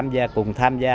và cùng tham gia